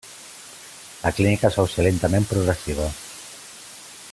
La clínica sol ser lentament progressiva.